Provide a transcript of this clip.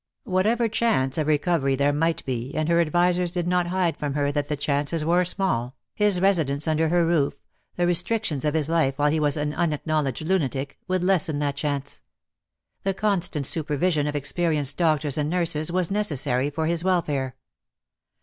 Whatever chance of recovery there might be, and her advisers did not hide from her that the chance was small, his residence under her roof, the restrictions of his life while he was an unacknowledged lunatic, would lessen that chance. I'he constant supervision of experienced doctors and nurses was necessary for his welfare.